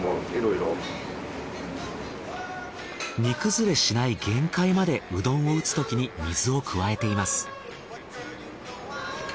煮崩れしない限界までうどんを打つときに水を加えています。